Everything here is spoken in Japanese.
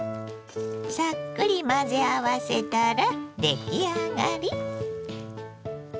さっくり混ぜ合わせたら出来上がり。